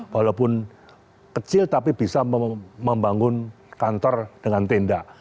walaupun kecil tapi bisa membangun kantor dengan tenda